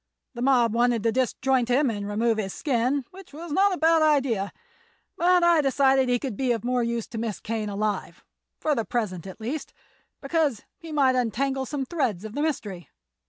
The mob wanted to disjoint him and remove his skin, which was not a bad idea; but I decided he could be of more use to Miss Kane alive—for the present, at least—because he might untangle some threads of the mystery.